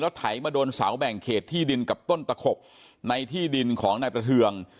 ไถมาโดนเสาแบ่งเขตที่ดินกับต้นตะขบในที่ดินของนายประเทือง